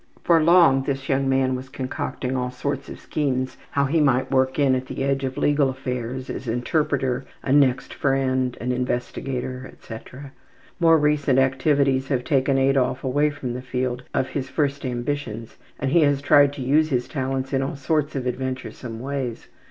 For long this young man was concocting all sorts of schemes how he might work in at the edge of legal affairs, as an interpreter, a ``next friend,'' an investigator, etc. More recent activities have taken Adolf away from the field of his first ambitions and he has tried to use his talents in all sorts of adventuresome ways.